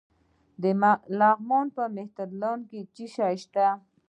د لغمان په مهترلام کې څه شی شته؟